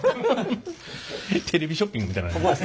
テレビショッピングみたいな。